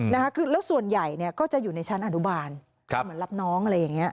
นะคะคือแล้วส่วนใหญ่เนี่ยก็จะอยู่ในชั้นอนุบาลครับเหมือนรับน้องอะไรอย่างเงี้